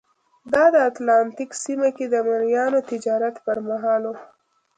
دا د اتلانتیک سیمه کې د مریانو تجارت پرمهال وه.